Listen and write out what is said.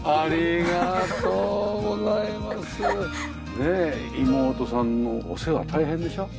ねえ妹さんのお世話大変でしょう？